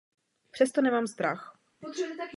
Přesto nemám strach.